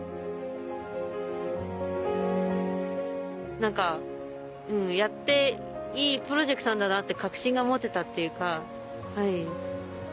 何かやっていいプロジェクトなんだなって確信が持てたっていうか。